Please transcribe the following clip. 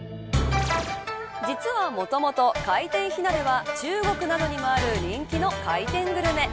実は、もともと回転火鍋は中国などにもある人気の回転グルメ。